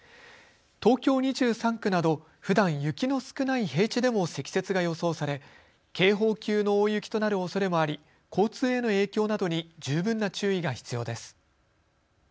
東京２３区など、ふだん雪の少ない平地でも積雪が予想され警報級の大雪となるおそれもあり交通への影響などに十分な注意が必要です。